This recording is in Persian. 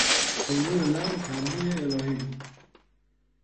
تیمور لنگ تنبیه الهی بود.